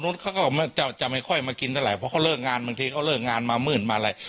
ใช่แต่คนนั้นเขาก็จะไม่ค่อยมากินเท่าไหร่เพราะเขาเลิกงานบางทีเขาเลิกงานมาหมื่นมาเลย